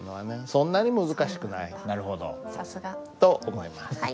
そんなに難しくない。と思います。